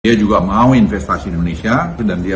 dia juga mau investasi di indonesia dan dia